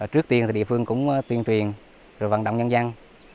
trước tiên thì địa phương cũng tuyên truyền rồi vận động nhân dân